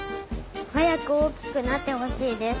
はやくおおきくなってほしいです。